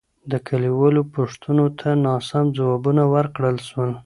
د کليوالو پوښتنو ته ناسم ځوابونه ورکړل سول.